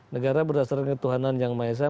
negara berdasarkan ketuhanan yang maesah